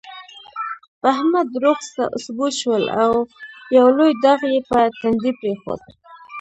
په احمد دروغ ثبوت شول، او یو لوی داغ یې په تندي پرېښود.